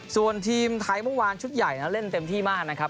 ส่วนทีมไทยเมื่อวานชุดใหญ่เล่นเต็มที่มากนะครับ